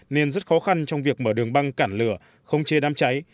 nên rất khó khăn trong việc mở đường băng cản lửa khống chế đám cháy